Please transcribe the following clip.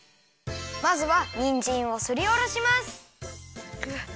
まずはにんじんをすりおろします。